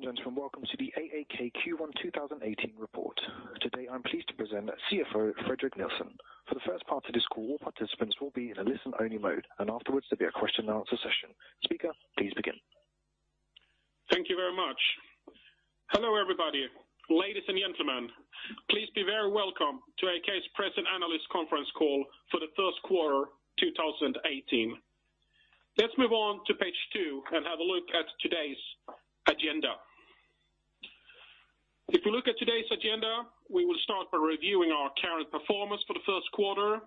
Ladies and gentlemen, welcome to the AAK Q1 2018 report. Today, I am pleased to present CFO Fredrik Nilsson. Afterwards there will be a question and answer session. Speaker, please begin. Thank you very much. Hello, everybody. Ladies and gentlemen, please be very welcome to AAK's press and analyst conference call for the first quarter 2018. Let us move on to page two and have a look at today's agenda. If you look at today's agenda, we will start by reviewing our current performance for the first quarter.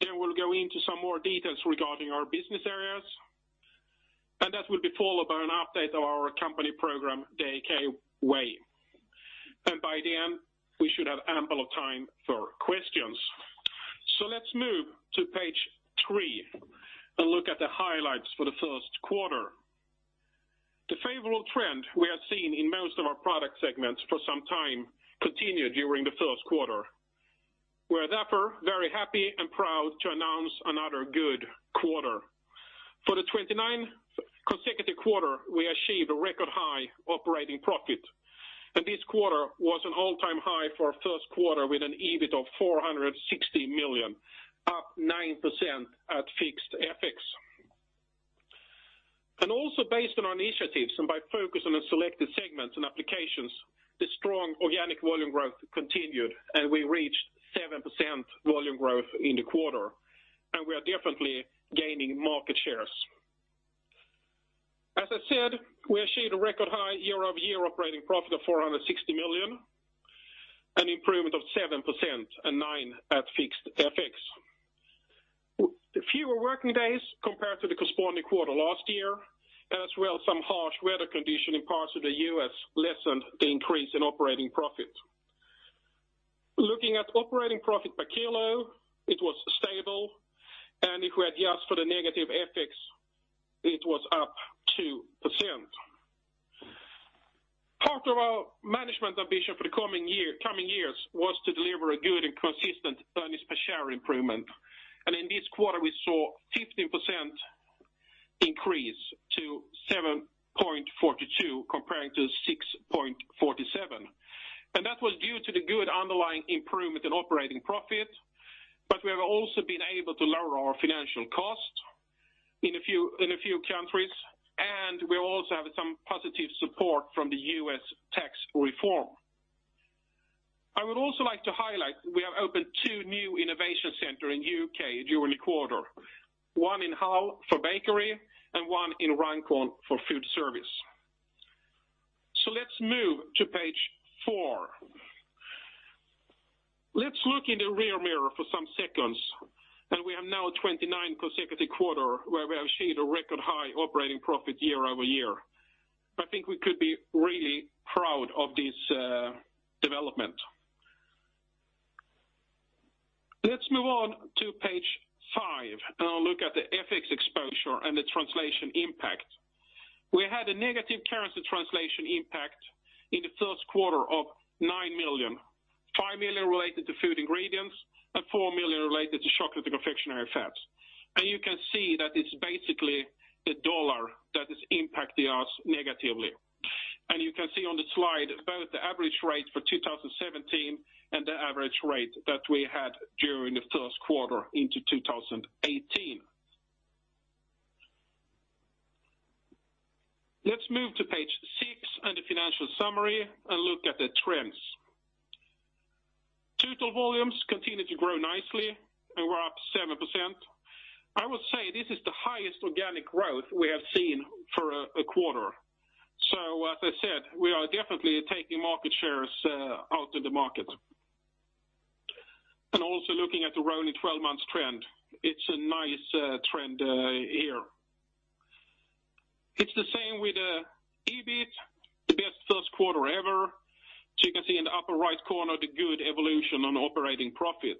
We will go into some more details regarding our business areas. That will be followed by an update of our company program, The AAK Way. By the end, we should have ample of time for questions. Let us move to page three and look at the highlights for the first quarter. The favorable trend we have seen in most of our product segments for some time continued during the first quarter. We are therefore very happy and proud to announce another good quarter. For the 29th consecutive quarter, we achieved a record-high operating profit. This quarter was an all-time high for a first quarter with an EBIT of 460 million, up 9% at fixed FX. Also based on initiatives and by focus on the selected segments and applications, the strong organic volume growth continued. We reached 7% volume growth in the quarter, and we are definitely gaining market shares. As I said, we achieved a record-high year-over-year operating profit of 460 million, an improvement of 7%, and 9% at fixed FX. The fewer working days compared to the corresponding quarter last year, as well some harsh weather condition in parts of the U.S. lessened the increase in operating profit. Looking at operating profit per kilo, it was stable. If we adjust for the negative FX, it was up 2%. Part of our management ambition for the coming years was to deliver a good and consistent earnings per share improvement. In this quarter we saw 15% increase to 7.42, comparing to 6.47. That was due to the good underlying improvement in operating profit. We have also been able to lower our financial costs in a few countries. We also have some positive support from the U.S. tax reform. I would also like to highlight, we have opened two new innovation center in U.K. during the quarter. One in Hull for bakery and one in Runcorn for food service. Let us move to page four. Let us look in the rear mirror for some seconds. We have now 29 consecutive quarter where we have achieved a record-high operating profit year-over-year. I think we could be really proud of this development. Let's move on to page five, and I'll look at the FX exposure and the translation impact. We had a negative currency translation impact in the first quarter of 9 million. 5 million related to Food Ingredients and 4 million related to Chocolate & Confectionery Fats. You can see that it's basically the dollar that is impacting us negatively. You can see on the slide both the average rate for 2017 and the average rate that we had during the first quarter into 2018. Let's move to page six and the financial summary and look at the trends. Total volumes continued to grow nicely, and we're up 7%. I would say this is the highest organic growth we have seen for a quarter. As I said, we are definitely taking market shares out in the market. Also looking at the rolling 12 months trend, it's a nice trend here. It's the same with the EBIT, the best first quarter ever. You can see in the upper right corner the good evolution on operating profit.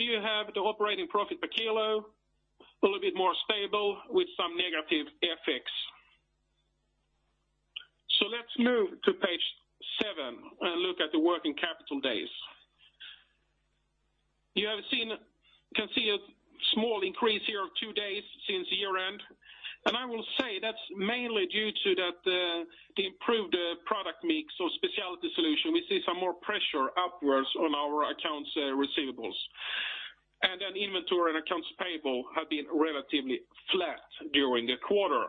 You have the operating profit per kilo, a little bit more stable with some negative FX. Let's move to page seven and look at the working capital days. You can see a small increase here of two days since year-end, and I will say that's mainly due to the improved product mix or specialty solution. We see some more pressure upwards on our accounts receivables. Inventory and accounts payable have been relatively flat during the quarter.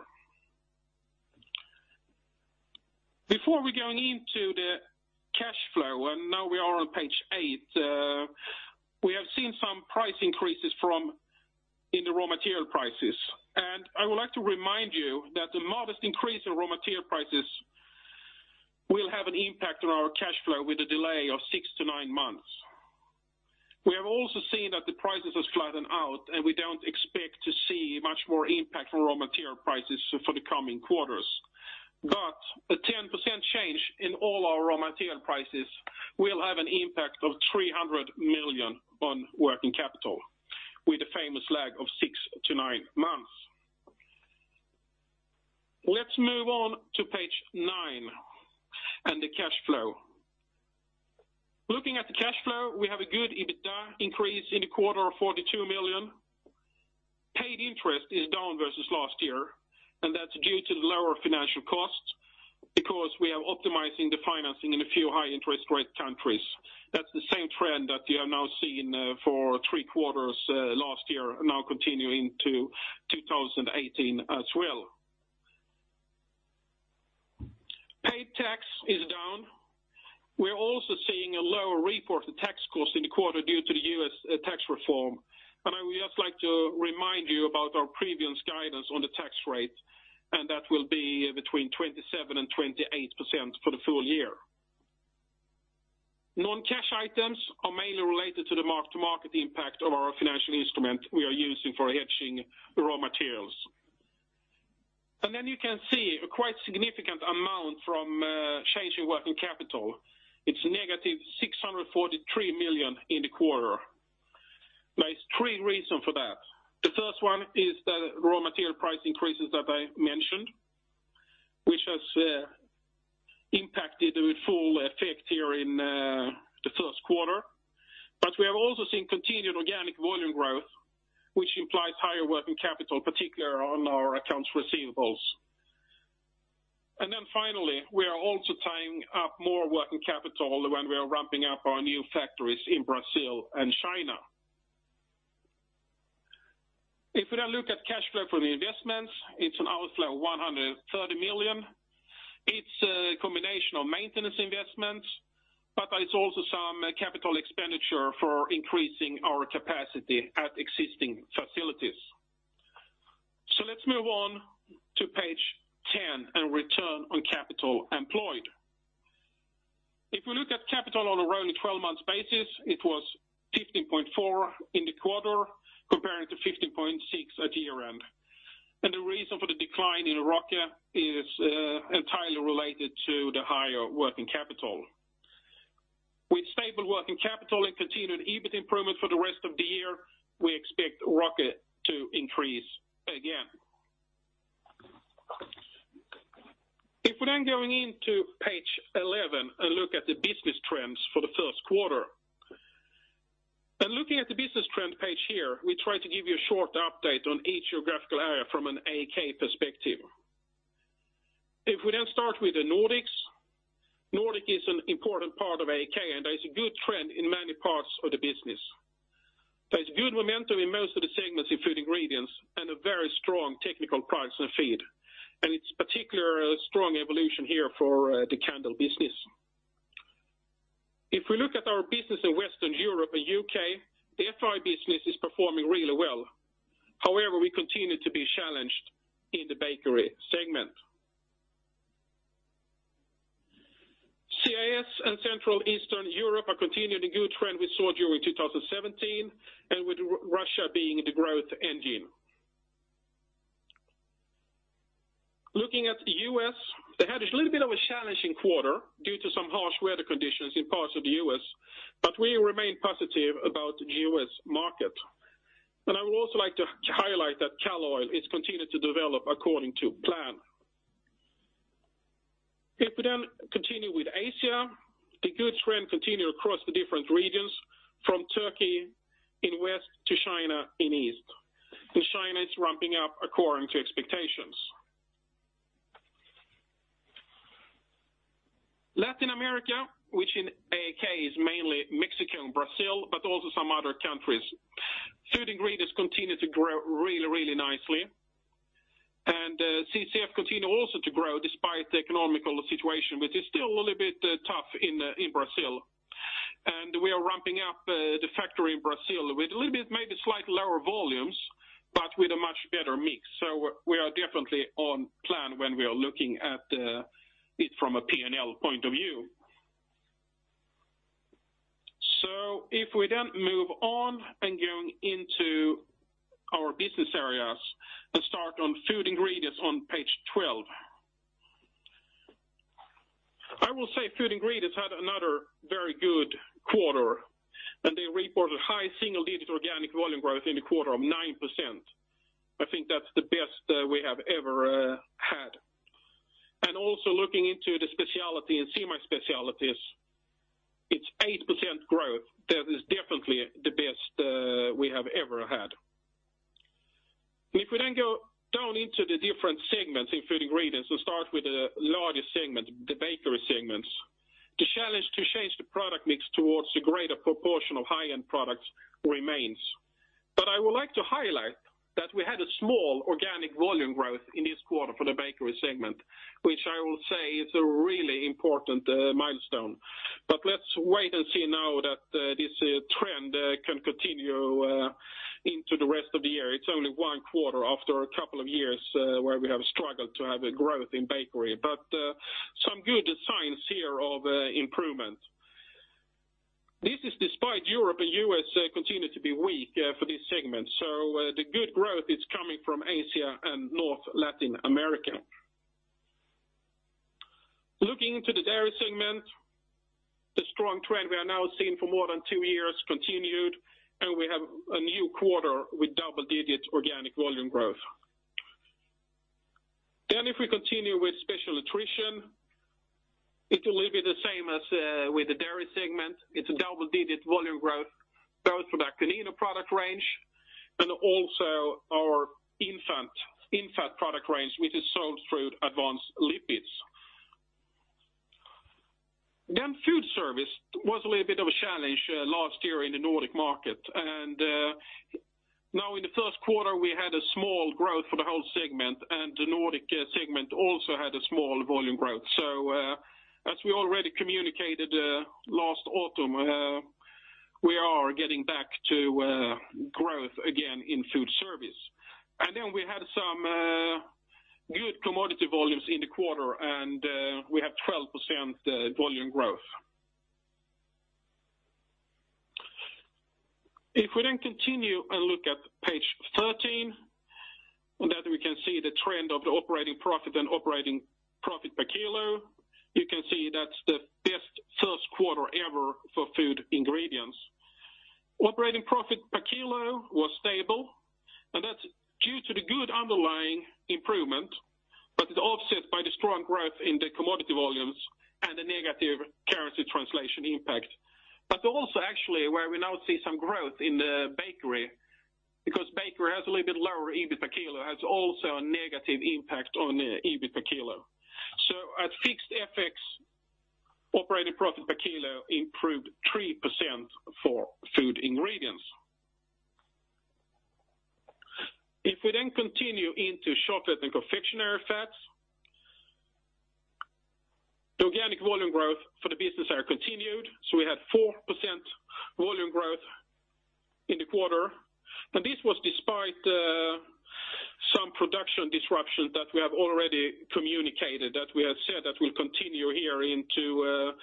Before we go into the cash flow, and now we are on page eight, we have seen some price increases in the raw material prices. I would like to remind you that the modest increase in raw material prices will have an impact on our cash flow with a delay of six to nine months. We have also seen that the prices have flattened out, and we don't expect to see much more impact from raw material prices for the coming quarters. A 10% change in all our raw material prices will have an impact of 300 million on working capital with a famous lag of six to nine months. Let's move on to page nine and the cash flow. Looking at the cash flow, we have a good EBITDA increase in the quarter of 42 million. Paid interest is down versus last year, and that's due to the lower financial costs because we are optimizing the financing in a few high interest rate countries. That's the same trend that we have now seen for three quarters last year, now continuing to 2018 as well. Paid tax is down. We're also seeing a lower reported tax cost in the quarter due to the U.S. tax reform. I would just like to remind you about our previous guidance on the tax rate, and that will be between 27% and 28% for the full year. Non-cash items are mainly related to the mark-to-market impact of our financial instrument we are using for hedging raw materials. You can see a quite significant amount from a change in working capital. It's negative 643 million in the quarter. There is three reasons for that. The first one is the raw material price increases that I mentioned, which has impacted with full effect here in the first quarter. We have also seen continued organic volume growth, which implies higher working capital, particularly on our accounts receivables. Finally, we are also tying up more working capital when we are ramping up our new factories in Brazil and China. If we now look at cash flow from the investments, it is an outflow of 130 million. It is a combination of maintenance investments, but it is also some capital expenditure for increasing our capacity at existing facilities. Let's move on to page ten and return on capital employed. If we look at capital on a rolling 12-month basis, it was 15.4% in the quarter comparing to 15.6% at year-end. The reason for the decline in ROCE is entirely related to the higher working capital. With stable working capital and continued EBIT improvement for the rest of the year, we expect ROCE to increase again. We go into page 11 and look at the business trends for the first quarter. Looking at the business trend page here, we try to give you a short update on each geographical area from an AAK perspective. We start with the Nordics, Nordic is an important part of AAK, and there is a good trend in many parts of the business. There is good momentum in most of the segments in Food Ingredients and a very strong Technical Products & Feed, and it is particularly a strong evolution here for the candle business. If we look at our business in Western Europe and U.K., the FI business is performing really well. However, we continue to be challenged in the bakery segment. CIS and Central Eastern Europe are continuing a good trend we saw during 2017, with Russia being the growth engine. Looking at the U.S., they had a little bit of a challenging quarter due to some harsh weather conditions in parts of the U.S. We remain positive about the U.S. market. I would also like to highlight that Kal oil is continuing to develop according to plan. We continue with Asia, the good trend continue across the different regions from Turkey in west to China in east, China is ramping up according to expectations. Latin America, which in AAK is mainly Mexico and Brazil, but also some other countries. Food Ingredients continue to grow really nicely, CCF continue also to grow despite the economical situation, which is still a little bit tough in Brazil. We are ramping up the factory in Brazil with a little bit maybe slightly lower volumes, but with a much better mix. We are definitely on plan when we are looking at it from a P&L point of view. We move on and go into our business areas and start on Food Ingredients on page 12. I will say Food Ingredients had another very good quarter. They reported high single-digit organic volume growth in the quarter of 9%. I think that is the best we have ever had. Also looking into the speciality and semi-specialities, it is 8% growth. That is definitely the best we have ever had. We go down into the different segments in Food Ingredients, we will start with the largest segment, the bakery segment. The challenge to change the product mix towards a greater proportion of high-end products remains. I would like to highlight that we had a small organic volume growth in this quarter for the bakery segment, which I will say is a really important milestone. Let's wait and see now that this trend can continue into the rest of the year. It is only one quarter after a couple of years where we have struggled to have a growth in bakery, but some good signs here of improvement. This is despite Europe and U.S. continue to be weak for this segment. The good growth is coming from Asia and North Latin America. Looking into the dairy segment, the strong trend we are now seeing for more than two years continued, and we have a new quarter with double-digit organic volume growth. If we continue with Special Nutrition, it will be the same as with the dairy segment. It is a double-digit volume growth, both for the Akonino product range and also our infant product range, which is sold through Advanced Lipids. Food service was a little bit of a challenge last year in the Nordic market. Now in the first quarter we had a small growth for the whole segment, and the Nordic segment also had a small volume growth. As we already communicated last autumn, we are getting back to growth again in food service. We had some good commodity volumes in the quarter, and we have 12% volume growth. If we continue and look at page 13, on that we can see the trend of the operating profit and operating profit per kilo. You can see that is the best first quarter ever for Food Ingredients. Operating profit per kilo was stable, and that is due to the good underlying improvement, but it is offset by the strong growth in the commodity volumes and the negative currency translation impact. Also actually where we now see some growth in the bakery, because bakery has a little bit lower EBIT per kilo, has also a negative impact on the EBIT per kilo. At fixed FX, operating profit per kilo improved 3% for Food Ingredients. If we continue into Chocolate & Confectionery Fats, the organic volume growth for the business are continued. We had 4% volume growth in the quarter, and this was despite some production disruptions that we have already communicated, that we have said that will continue here into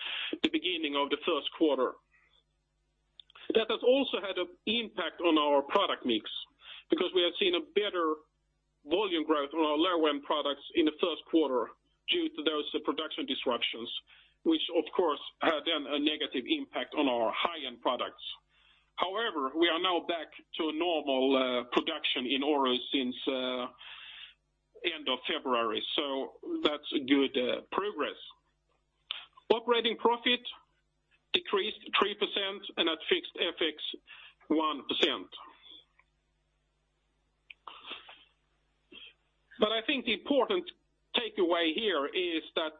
the beginning of the first quarter. That has also had an impact on our product mix because we have seen a better volume growth on our lower-end products in the first quarter due to those production disruptions, which of course had then a negative impact on our high-end products. We are now back to a normal production in Aarhus since end of February, so that is good progress. Operating profit decreased 3% and at fixed FX, 1%. I think the important takeaway here is that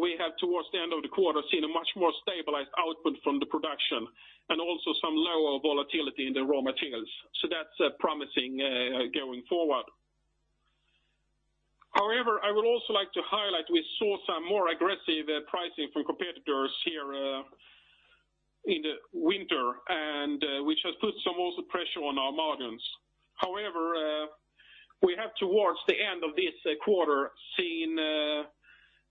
we have, towards the end of the quarter, seen a much more stabilized output from the production and also some lower volatility in the raw materials. That is promising going forward. I would also like to highlight, we saw some more aggressive pricing from competitors here in the winter, and which has put some also pressure on our margins. However, we have towards the end of this quarter seen a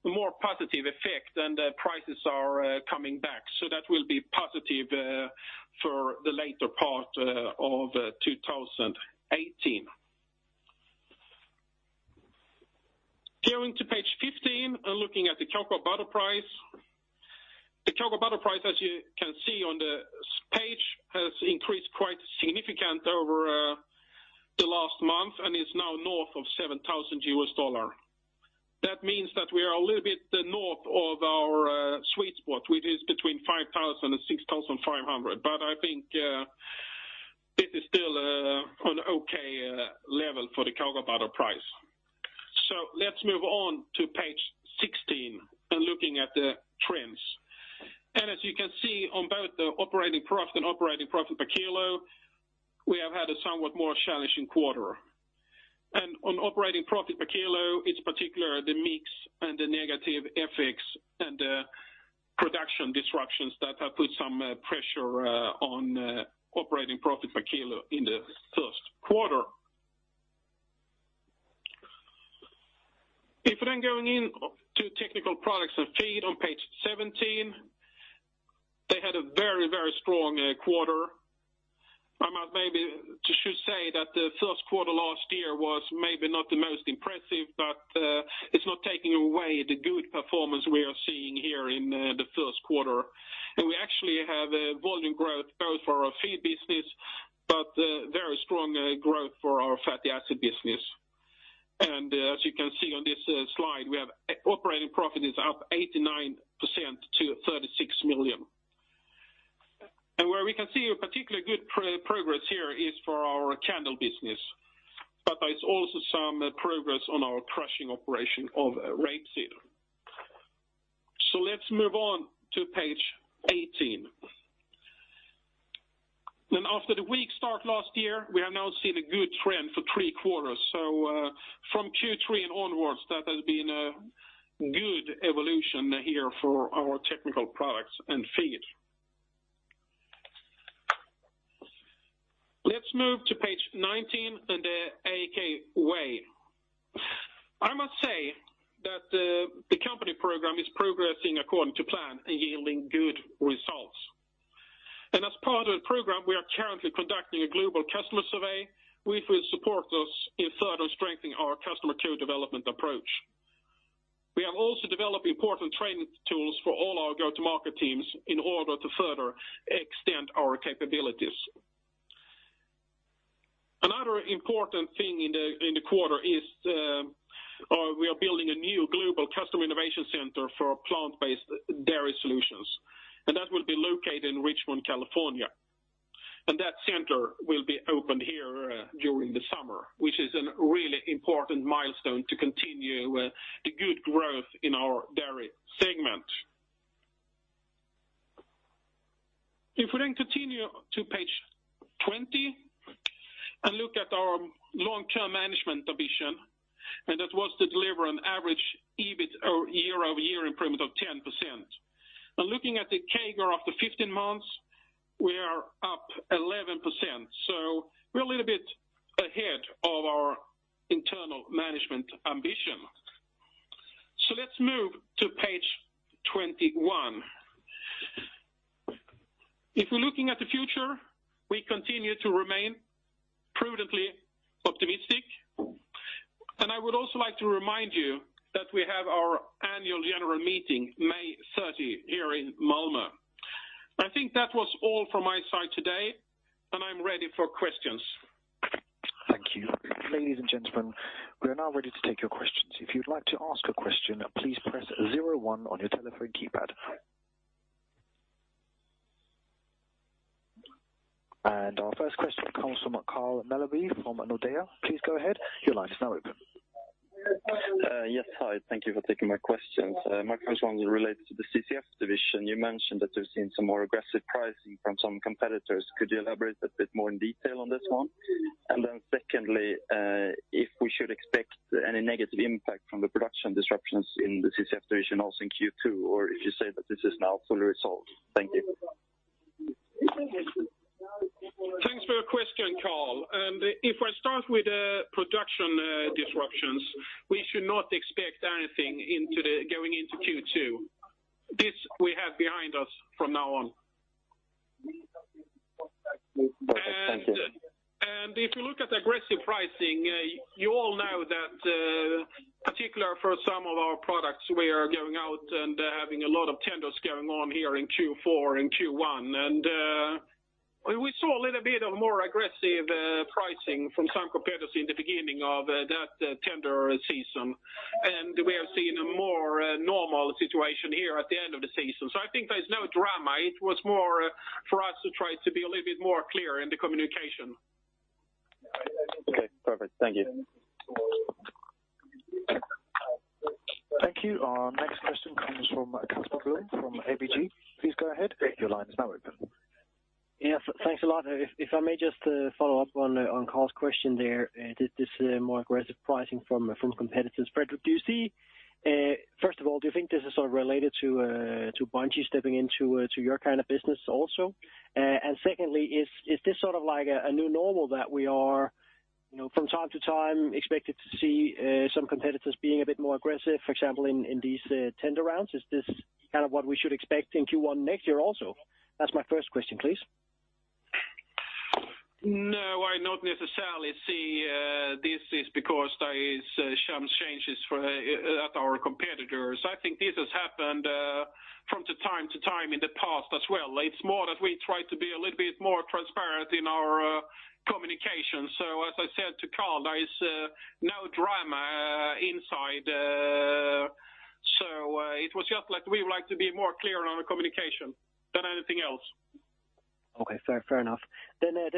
more positive effect and prices are coming back. That will be positive for the later part of 2018. Going to page 15 and looking at the cocoa butter price. The cocoa butter price, as you can see on the page, has increased quite significant over the last month and is now north of $7,000. That means that we are a little bit north of our sweet spot, which is between $5,000 and $6,500. I think this is still an okay level for the cocoa butter price. Let's move on to page 16 and looking at the trends. As you can see on both the operating profit and operating profit per kilo, we have had a somewhat more challenging quarter. On operating profit per kilo, it's particular the mix and the negative FX and production disruptions that have put some pressure on operating profit per kilo in the first quarter. If we're then going into Technical Products & Feed on page 17, they had a very strong quarter. I maybe should say that the first quarter last year was maybe not the most impressive, but it's not taking away the good performance we are seeing here in the first quarter. We actually have a volume growth both for our feed business, but very strong growth for our fatty acid business. As you can see on this slide, operating profit is up 89% to 36 million. Where we can see a particular good progress here is for our candle business, but there's also some progress on our crushing operation of rapeseed. Let's move on to page 18. After the weak start last year, we have now seen a good trend for three quarters. From Q3 and onwards, that has been a good evolution here for our Technical Products & Feed. Let's move to page 19 and The AAK Way. I must say that the company program is progressing according to plan and yielding good results. As part of the program, we are currently conducting a global customer survey, which will support us in further strengthening our customer co-development approach. We have also developed important training tools for all our go-to-market teams in order to further extend our capabilities. Another important thing in the quarter is we are building a new global customer innovation center for plant-based dairy solutions, and that will be located in Richmond, California. That center will be opened here during the summer, which is a really important milestone to continue the good growth in our dairy segment. If we then continue to page 20 and look at our long-term management ambition, that was to deliver an average EBIT year-over-year improvement of 10%. Looking at the CAGR after 15 months, we are up 11%, so we're a little bit ahead of our internal management ambition. Let's move to page 21. If we're looking at the future, we continue to remain prudently optimistic. I would also like to remind you that we have our annual general meeting May 30 here in Malmö. I think that was all from my side today, and I'm ready for questions. Thank you. Ladies and gentlemen, we are now ready to take your questions. If you'd like to ask a question, please press 01 on your telephone keypad. Our first question comes from Karl Mellberg from Nordea. Please go ahead. Your line is now open. Yes, hi. Thank you for taking my questions. My first one relates to the CCF division. You mentioned that we've seen some more aggressive pricing from some competitors. Could you elaborate a bit more in detail on this one? Secondly, if we should expect any negative impact from the production disruptions in the CCF division also in Q2, or if you say that this is now fully resolved. Thank you. Thanks for your question, Karl. If I start with the production disruptions, we should not expect anything going into Q2. This we have behind us from now on. Thank you. If you look at aggressive pricing, you all know that particular for some of our products, we are going out and having a lot of tenders going on here in Q4 and Q1. We saw a little bit of more aggressive pricing from some competitors in the beginning of that tender season. We are seeing a more normal situation here at the end of the season. I think there's no drama. It was more for us to try to be a little bit more clear in the communication. Okay, perfect. Thank you. Thank you. Our next question comes from Kasper Bjørn from ABG. Please go ahead. Your line is now open. Yes, thanks a lot. If I may just follow up on Karl's question there, this more aggressive pricing from competitors. Fredrik, first of all, do you think this is related to Bunge stepping into your kind of business also? Secondly, is this like a new normal that we are, from time to time, expected to see some competitors being a bit more aggressive, for example, in these tender rounds? Is this what we should expect in Q1 next year also? That's my first question, please. I not necessarily see this is because there is some changes at our competitors. I think this has happened from the time to time in the past as well. It's more that we try to be a little bit more transparent in our communication. As I said to Karl, there is no drama inside. It was just we would like to be more clear on our communication than anything else. Okay, fair enough.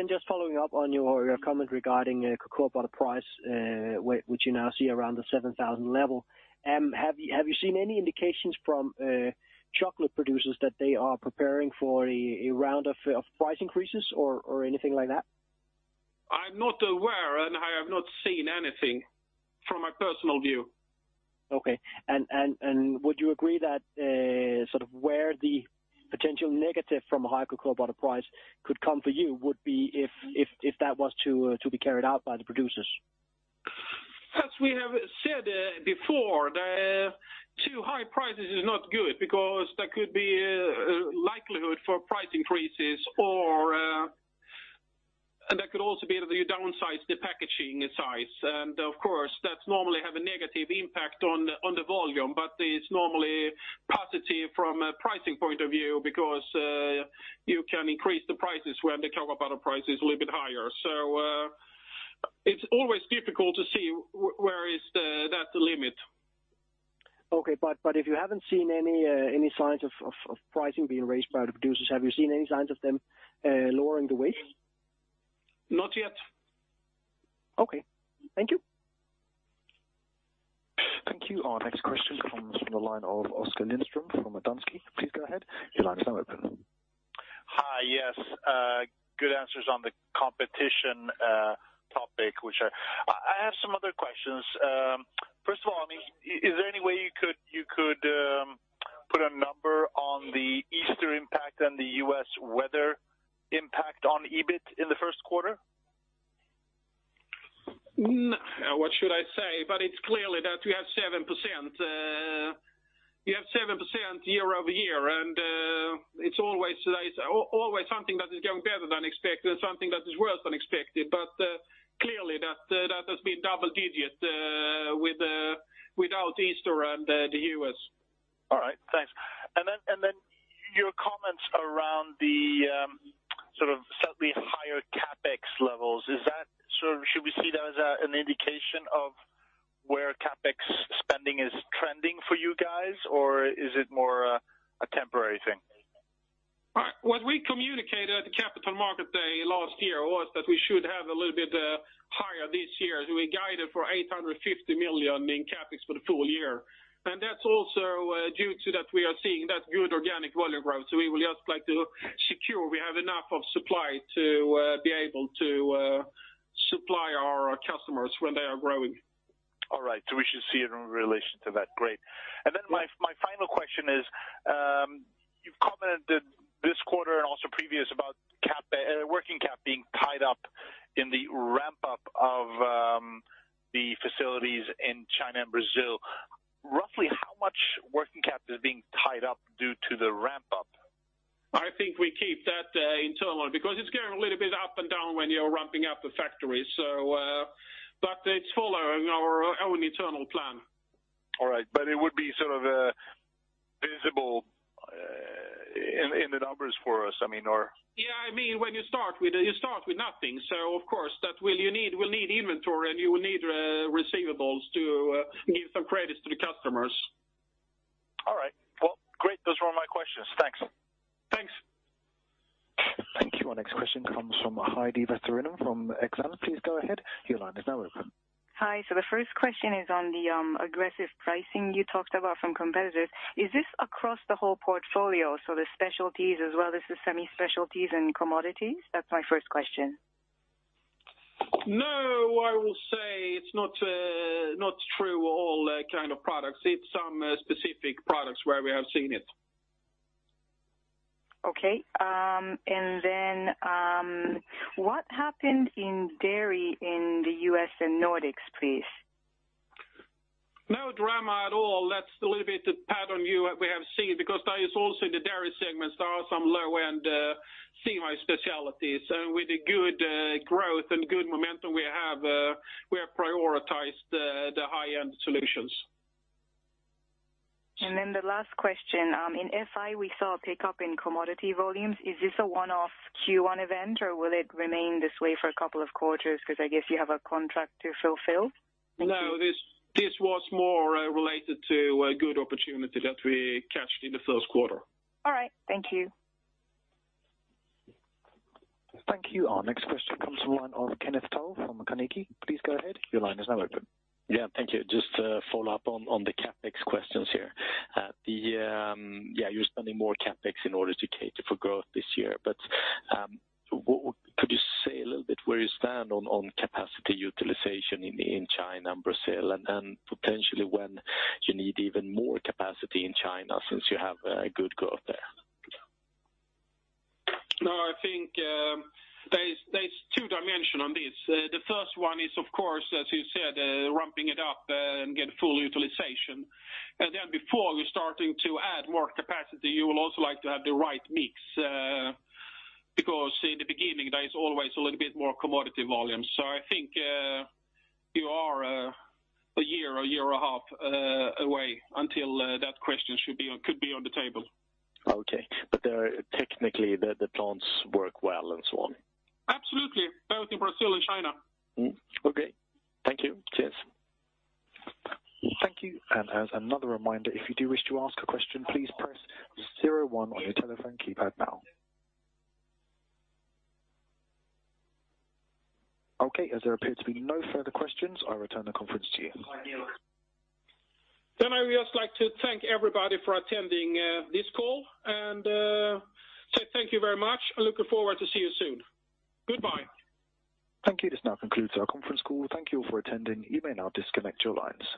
Just following up on your comment regarding cocoa butter price, which you now see around the $7,000 level. Have you seen any indications from chocolate producers that they are preparing for a round of price increases or anything like that? I'm not aware, and I have not seen anything from my personal view. Okay. Would you agree that where the potential negative from a high cocoa butter price could come for you would be if that was to be carried out by the producers? As we have said before, the too high prices is not good because there could be a likelihood for price increases or there could also be that you downsize the packaging size. Of course, that normally have a negative impact on the volume, but it's normally positive from a pricing point of view because you can increase the prices when the cocoa butter price is a little bit higher. It's always difficult to see where is that limit. Okay, if you haven't seen any signs of pricing being raised by the producers, have you seen any signs of them lowering the weights? Not yet. Okay. Thank you. Thank you. Our next question comes from the line of Oskar Lindström from Danske. Please go ahead. Your line is now open. Hi. Yes. Good answers on the competition topic. I have some other questions. First of all, is there any way you could put a number on the Easter impact and the U.S. weather impact on EBIT in the first quarter? What should I say? It's clearly that we have 7% year-over-year, and it's always something that is going better than expected, something that is worse than expected. Clearly that has been double digits without Easter and the U.S. All right. Thanks. Around the slightly higher CapEx levels, should we see that as an indication of where CapEx spending is trending for you guys? Or is it more a temporary thing? What we communicated at the Capital Market Day last year was that we should have a little bit higher this year. We guided for 850 million in CapEx for the full year. That's also due to that we are seeing that good organic volume growth. We will just like to secure we have enough of supply to be able to supply our customers when they are growing. All right. We should see it in relation to that. Great. Then my final question is, you've commented this quarter and also previous about working cap being tied up in the ramp-up of the facilities in China and Brazil. Roughly how much working cap is being tied up due to the ramp-up? I think we keep that internal because it's going a little bit up and down when you're ramping up a factory. It's following our own internal plan. All right. It would be sort of visible in the numbers for us? Yeah. When you start, you start with nothing, so of course you will need inventory and you will need receivables to give some credits to the customers. All right. Well, great. Those were all my questions. Thanks. Thanks. Thank you. Our next question comes from Heidi Vesterinen from Exane. Please go ahead. Your line is now open. Hi. The first question is on the aggressive pricing you talked about from competitors. Is this across the whole portfolio? The specialties as well as the semi-specialties and commodities? That's my first question. No, I will say it's not true all kind of products. It's some specific products where we have seen it. Okay. What happened in dairy in the U.S. and Nordics, please? No drama at all. That's a little bit the pattern we have seen because that is also in the dairy segment, there are some low-end semi-specialties. With the good growth and good momentum we have, we have prioritized the high-end solutions. The last question. In FI, we saw a pickup in commodity volumes. Is this a one-off Q1 event or will it remain this way for a couple of quarters because I guess you have a contract to fulfill? No, this was more related to a good opportunity that we captured in the first quarter. All right. Thank you. Thank you. Our next question comes from the line of Kenneth Toll from Carnegie. Please go ahead. Your line is now open. Yeah, thank you. Just to follow up on the CapEx questions here. You're spending more CapEx in order to cater for growth this year, but could you say a little bit where you stand on capacity utilization in China and Brazil? Potentially when you need even more capacity in China since you have good growth there? I think there's two dimensions on this. The first one is, of course, as you said, ramping it up and get full utilization. Before you're starting to add more capacity, you will also like to have the right mix, because in the beginning, there is always a little bit more commodity volume. I think you are a year, a year and a half away until that question could be on the table. Okay. Technically, the plants work well and so on. Absolutely. Both in Brazil and China. Okay. Thank you. Cheers. Thank you. As another reminder, if you do wish to ask a question, please press 01 on your telephone keypad now. Okay, as there appear to be no further questions, I return the conference to you. Thank you. I would just like to thank everybody for attending this call, and say thank you very much. Looking forward to see you soon. Goodbye. Thank you. This now concludes our conference call. Thank you for attending. You may now disconnect your lines.